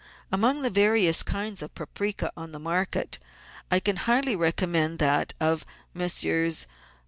Among the various kinds of paprika on the market I can highly recommend that of Messrs.